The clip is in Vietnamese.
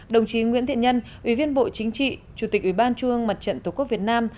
đồng chí nguyễn thiện nhân ủy viên bộ chính trị chủ tịch ủy ban trung ương mặt trận tổ quốc việt nam